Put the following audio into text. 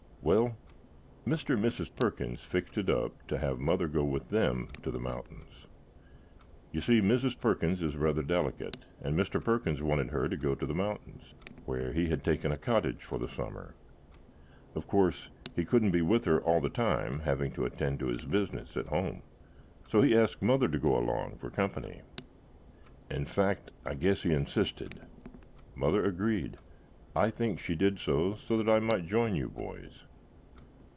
Well, Mr. and Mrs. Perkins fixed it up to have Mother go with them to the mountains. You see, Mrs. Perkins is rather delicate and Mr. Perkins wanted her to go to the mountains, where he had taken a cottage for the summer. Of course he couldn't be with her all the time, having to attend to his business at home, so he asked Mother to go along for company. In fact, I guess he insisted. Mother agreed. I think she did so that I might join you boys.